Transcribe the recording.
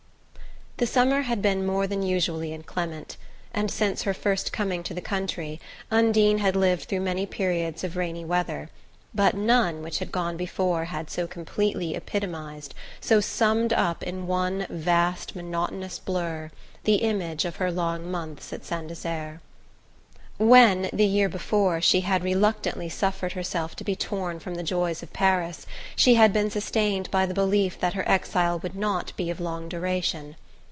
The summer had been more than usually inclement, and since her first coming to the country Undine had lived through many periods of rainy weather; but none which had gone before had so completely epitomized, so summed up in one vast monotonous blur, the image of her long months at Saint Desert. When, the year before, she had reluctantly suffered herself to be torn from the joys of Paris, she had been sustained by the belief that her exile would not be of long duration.